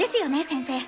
先生。